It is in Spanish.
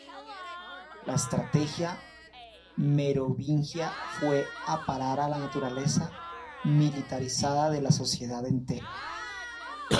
La estrategia merovingia fue a parar a la naturaleza militarizada de la sociedad entera.